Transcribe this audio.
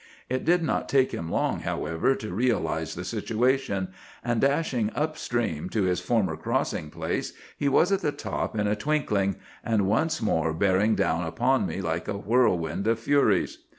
It did not take him long, however, to realize the situation, and dashing up stream to his former crossing place he was at the top in a twinkling, and once more bearing down upon me like a whirlwind of furies.